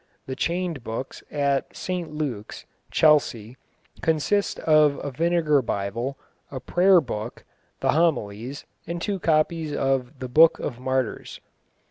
The chained books at St Luke's, Chelsea, consist of a Vinegar Bible, a Prayer Book, the Homilies, and two copies of the Book of Martyrs.